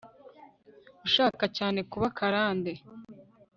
Ushaka cyane kuba karande